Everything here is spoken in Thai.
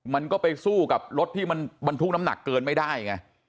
มันก็ไปสู้กับรถที่มันบรรทุกน้ำหนักเกินไม่ได้ไง